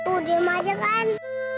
udah macet kan